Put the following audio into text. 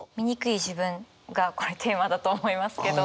「醜い自分」がこれテーマだと思いますけど。